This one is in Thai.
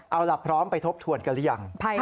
เอาล่ะพร้อมไปทบทวนกันหรือยัง